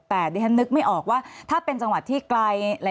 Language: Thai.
แต่ดิฉันนึกไม่ออกว่าถ้าเป็นจังหวัดที่ไกล